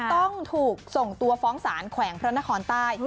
ต้องถูกส่งตัวฟ้องสารแขวงพระนครใต้